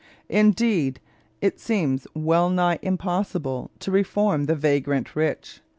Indeed, it seems well nigh impossible to reform the vagrant rich.